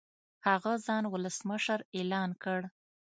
هغه ځان ولسمشر اعلان کړ.